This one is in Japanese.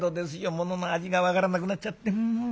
ものの味が分からなくなっちゃって。